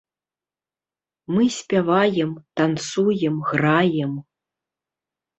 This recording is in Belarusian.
Мы спяваем, танцуем, граем.